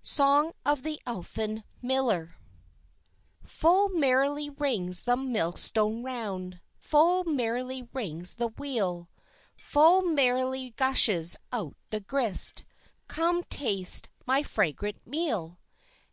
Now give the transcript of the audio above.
SONG OF THE ELFIN MILLER Full merrily rings the millstone round, Full merrily rings the wheel, Full merrily gushes out the grist Come, taste my fragrant meal!